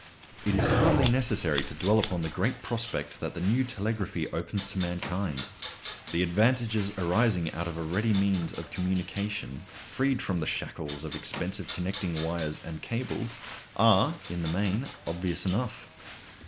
It is hardly necessary to dwell upon the great prospect that the new telegraphy opens to mankind. The advantages arising out of a ready means of communication, freed from the shackles of expensive connecting wires and cables are, in the main, obvious enough.